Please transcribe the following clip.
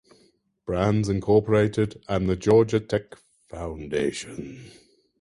Brands, Incorporated and the Georgia Tech Foundation.